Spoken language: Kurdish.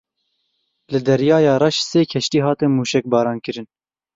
Li Deryaya Reş sê keştî hatin mûşekbarankirin.